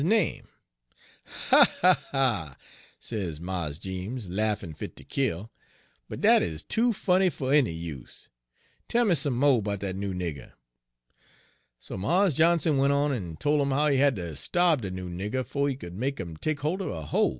sez Mars Jeems, laffin' fit ter kill, 'but dat is too funny fer any use. Tell me some mo' 'bout dat noo nigger.' "So Mars Johnson went on en tol' 'im how he had ter starbe de noo nigger 'fo' he could make 'im take holt er a hoe.